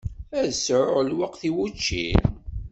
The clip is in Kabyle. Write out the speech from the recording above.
Ad sɛuɣ lweqt i wučči?